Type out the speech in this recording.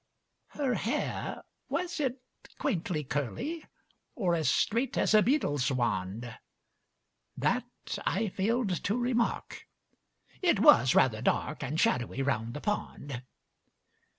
Her hair, was it quaintly curly, Or as straight as a beadleŌĆÖs wand? That I failŌĆÖd to remark: it was rather dark And shadowy round the pond.